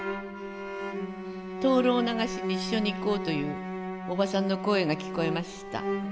灯籠流しに一緒に行こうというおばさんの声が聞こえました。